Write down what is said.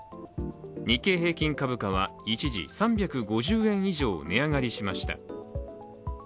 日経平均株価は一時３５０円以上値上がりしました。